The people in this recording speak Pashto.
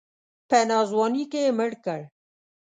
په ناځواني کې یې مړ کړ.